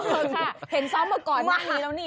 ค่ะเห็นซ้อมเมื่อก่อนมากมีแล้วนี่